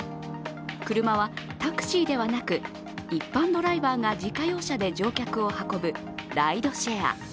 車はタクシーではなく、一般ドライバーが自家用車で乗客を運ぶライドシェア。